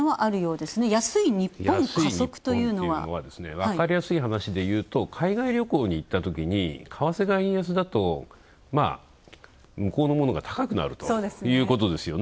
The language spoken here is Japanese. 分かりやすい話で言うと、海外旅行に行ったときに為替が円安だと向こうのものが高くなるということですよね。